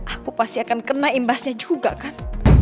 aku pasti akan kena imbasnya juga kan